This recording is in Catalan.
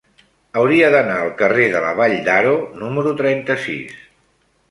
Hauria d'anar al carrer de la Vall d'Aro número trenta-sis.